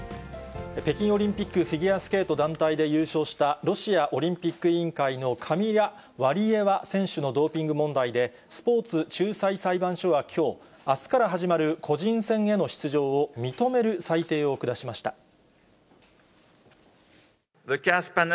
北京オリンピック、フィギュアスケート団体で優勝したロシアオリンピック委員会のカミラ・ワリエワ選手のドーピング問題で、スポーツ仲裁裁判所はきょう、あすから始まる個人戦への出場を認める裁定を下しました。